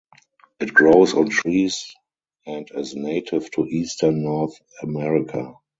It grows on trees and is native to eastern North America.